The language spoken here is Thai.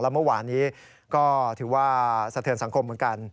เมื่อวานนี้ก็ถือว่าสะเทือนสังคมเหมือนกัน